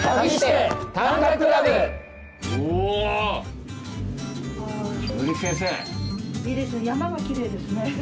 いいですね